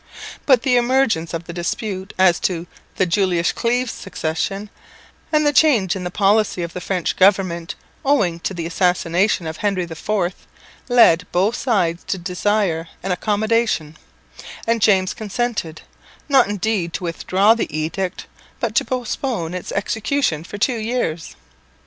But the emergence of the dispute as to the Jülich Cleves succession, and the change in the policy of the French government owing to the assassination of Henry IV, led both sides to desire an accommodation; and James consented, not indeed to withdraw the edict, but to postpone its execution for two years.